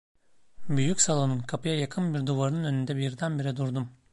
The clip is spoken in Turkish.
Büyük salonun kapıya yakın bir duvarının önünde birdenbire durdum.